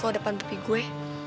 kalo depan tepi gue